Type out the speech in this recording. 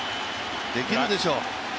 できるでしょ！